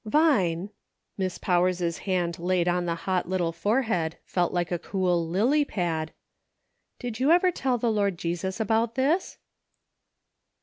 "Vine," Miss Powers' hand laid on the hot little forehead felt like a cool lily pad, " did you ever tell the Lord Jesus about this